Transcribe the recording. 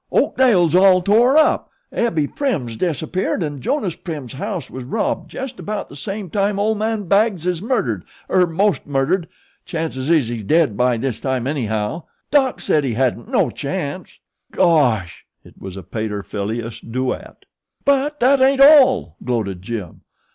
"Oakdale's all tore up. Abbie Prim's disappeared and Jonas Prim's house was robbed jest about the same time Ol' man Baggs 'uz murdered, er most murdered chances is he's dead by this time anyhow. Doc said he hadn't no chance." "Gosh!" It was a pater filius duet. "But thet ain't all," gloated Jim.